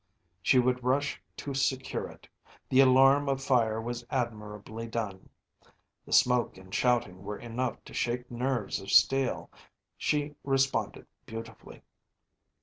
She would rush to secure it. The alarm of fire was admirably done. The smoke and shouting were enough to shake nerves of steel. She responded beautifully.